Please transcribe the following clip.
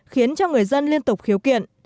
khiến cho người dân liên tục khiếu kiện